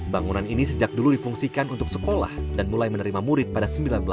bangunan ini sejak dulu difungsikan untuk sekolah dan mulai menerima murid pada seribu sembilan ratus delapan puluh